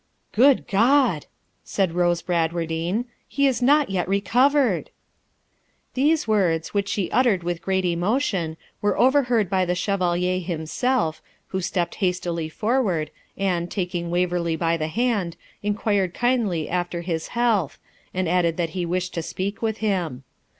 'Good God!' said Rose Bradwardine, 'he is not yet recovered!' These words, which she uttered with great emotion, were overheard by the Chevalier himself, who stepped hastily forward, and, taking Waverley by the hand, inquired kindly after his health, and added that he wished to speak with him.